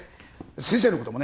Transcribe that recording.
先生のこともね